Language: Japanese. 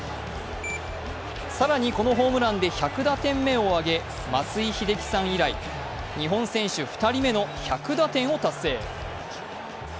更にこのホームランで１００打点目を挙げ、松井秀喜さん以来、日本選手２人目の１００打点を達成。